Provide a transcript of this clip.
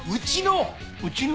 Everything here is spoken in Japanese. うちの！